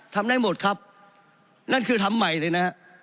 ทำได้หมดครับนั่นคือทำใหม่เลยนะฮะ